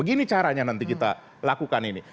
gini caranya nanti kita lakukan ini